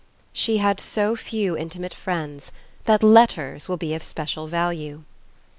"She had so few intimate friends... that letters will be of special value."